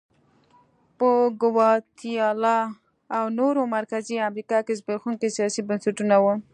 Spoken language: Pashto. په ګواتیلا او نورو مرکزي امریکا کې زبېښونکي سیاسي بنسټونه وو.